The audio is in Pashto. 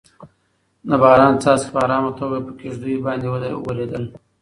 د باران څاڅکي په ارامه توګه په کيږديو باندې ورېدل.